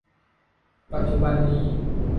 ปัจจุบันนี้